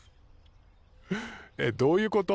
えっどういうこと？